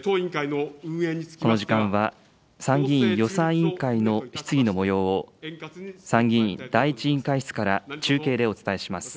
この時間は参議院予算委員会の質疑のもようを、参議院第１委員会室から中継でお伝えします。